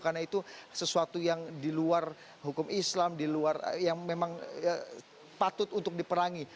karena itu sesuatu yang di luar hukum islam yang memang patut untuk diperangi